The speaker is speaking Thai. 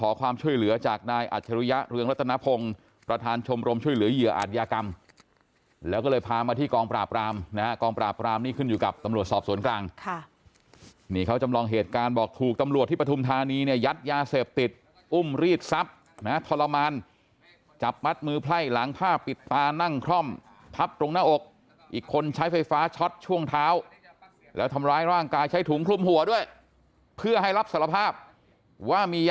มาร้องขอความช่วยเหลือจากนายอัธริยะเรืองละตนพงศ์ประธานชมช่วยเหลือเหยื่ออาจยากรรมแล้วก็เลยพามาที่กองปราบรามนะครับกองปราบรามนี้ขึ้นอยู่กับตำรวจสอบสวนกลางค่ะนี่เขาจำลองเหตุการบอกถูกตำรวจที่ประธุมธาณีเนี่ยยัดยา